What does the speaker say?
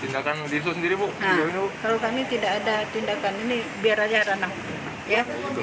kalau kami tidak ada tindakan ini biar aja ranah